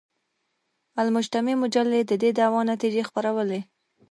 المجتمع مجلې د دې دعوې نتیجې خپرولې.